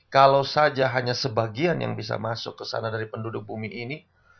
kalau saja hanya sebagian yang bisa masuk ke sana dari penduduk bumi ini